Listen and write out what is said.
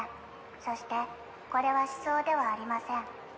そしてこれは思想ではありません。